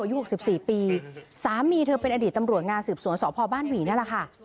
อายุหกสิบสี่ปีสามีเธอเป็นอดีตตำรวจงานสืบสวนสอบพ่อบ้านหวีนี่แหละค่ะ